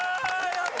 やった！